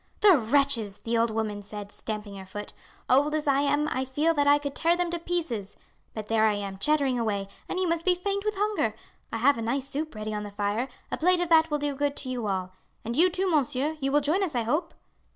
"The wretches!" the old woman said, stamping her foot. "Old as I am I feel that I could tear them to pieces. But there I am chattering away, and you must be faint with hunger. I have a nice soup ready on the fire, a plate of that will do good to you all. And you too, monsieur, you will join us, I hope?"